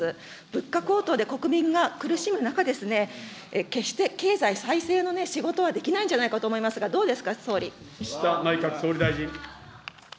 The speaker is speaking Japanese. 物価高騰で国民が苦しむ中、決して経済再生の仕事はできないんじゃないかと思いますが、どう岸田内閣総理大臣。